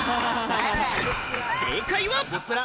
正解は。